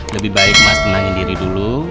lebih baik mas tenangin diri dulu